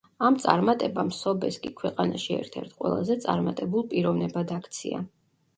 ამ წარმატებამ სობესკი ქვეყანაში ერთ-ერთ ყველაზე წარმატებულ პიროვნებად აქცია.